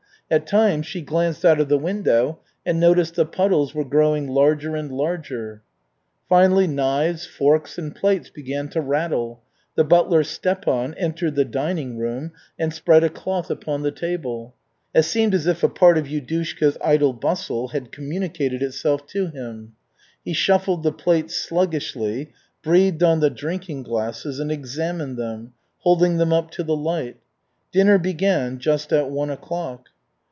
At times she glanced out of the window and noticed the puddles were growing larger and larger. Finally knives, forks and plates began to rattle. The butler Stepan entered the dining room and spread a cloth upon the table. It seemed as if a part of Yudushka's idle bustle had communicated itself to him. He shuffled the plates sluggishly, breathed on the drinking glasses, and examined them, holding them up to the light. Dinner began just at one o'clock.